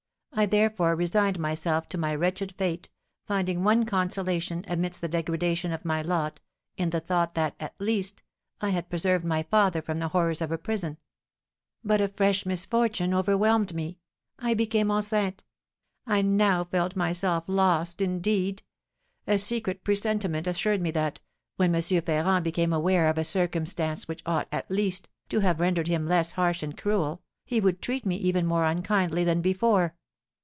I therefore resigned myself to my wretched fate, finding one consolation, amidst the degradation of my lot, in the thought that, at least, I had preserved my father from the horrors of a prison. But a fresh misfortune overwhelmed me; I became enceinte. I now felt myself lost indeed. A secret presentiment assured me that, when M. Ferrand became aware of a circumstance which ought, at least, to have rendered him less harsh and cruel, he would treat me even more unkindly than before.